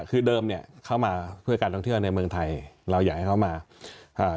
คือเดิมเนี้ยเข้ามาเพื่อการท่องเที่ยวในเมืองไทยเราอยากให้เขามาอ่า